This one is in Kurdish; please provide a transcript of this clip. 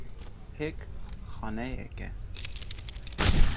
Hêk xaneyek e.